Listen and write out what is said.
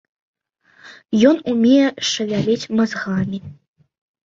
Ён умее шавяліць мазгамі.